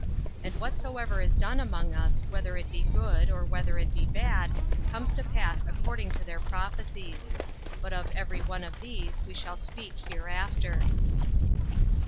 And whatsoever is done among us, Whether it be good, or whether it be bad, comes to pass according to their prophecies; but of every one of these we shall speak hereafter.